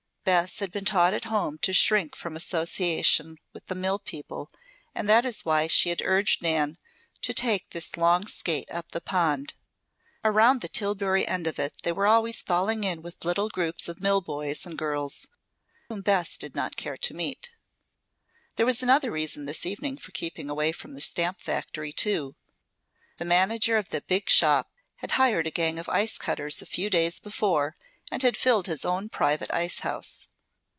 Bess had been taught at home to shrink from association with the mill people and that is why she had urged Nan to take this long skate up the pond. Around the Tillbury end of it they were always falling in with little groups of mill boys and girls whom Bess did not care to meet. There was another reason this evening for keeping away from the stamp factory, too. The manager of that big shop had hired a gang of ice cutters a few days before, and had filled his own private icehouse.